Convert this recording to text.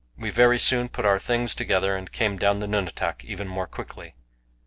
We very soon put our things together, and came down the nunatak even more quickly.